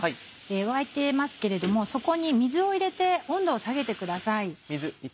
沸いてますけれどもそこに水を入れて温度を下げてください。